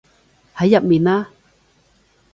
喺入面嘞